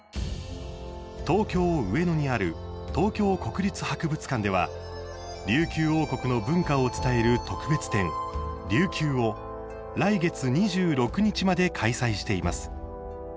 東京・上野にある東京国立博物館では琉球王国の文化を伝える特別展「琉球」を来月２６日まで開催しています。